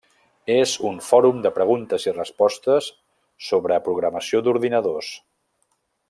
És un fòrum de preguntes i respostes sobre programació d'ordinadors.